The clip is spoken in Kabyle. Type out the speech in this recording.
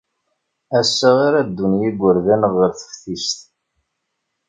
Ass-a ara ddun yigerdan ɣer teftist.